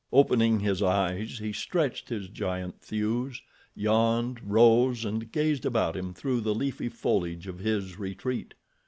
Opening his eyes, he stretched his giant thews, yawned, rose and gazed about him through the leafy foliage of his retreat.